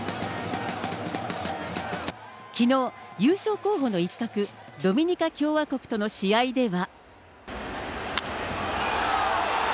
きのう、優勝候補の一角、ドミニカ共和国との試合では。